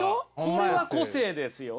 これは個性ですよ！